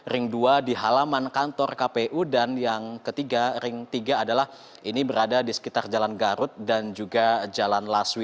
ring dua di halaman kantor kpu dan yang ketiga ring tiga adalah ini berada di sekitar jalan garut dan juga jalan laswi